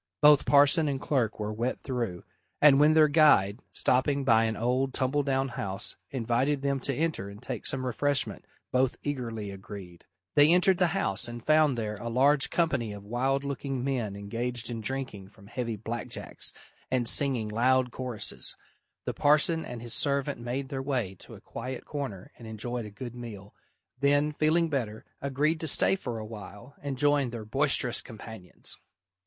Both parson and clerk were wet through, and when their guide, stopping by an old, tumble down house, invited them to enter and take some refreshment, both eagerly agreed. They entered the house and found there a large company of wild looking men engaged in drinking from heavy black jacks, and singing loud choruses. The parson and his servant made their way to a quiet corner and enjoyed a good meal, then, feeling better, agreed to stay for a while and join their boisterous companions.